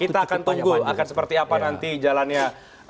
kita akan tunggu akan seperti apa nanti jalannya